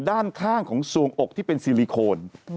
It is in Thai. ด้านข้างของสวงอกที่เป็นซิลิโคน